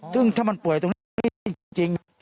ซึ่งถ้ามันปล่อยตรงนี้จริง